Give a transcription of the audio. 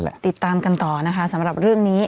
ติดตามกันต่อนะคะสำหรับเรื่องนี้